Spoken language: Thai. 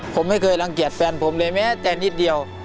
ผมไม่เคยรังเกียจแฟนผมเลยแม้แต่นิดเดียว